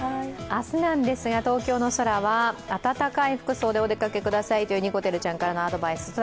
明日ですが、東京の空は暖かい服装でお出かけくださいというにこてるちゃんからのアドバイス。